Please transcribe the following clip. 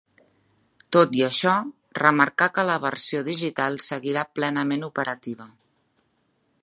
Tot i això, remarcà que la versió digital seguirà plenament operativa.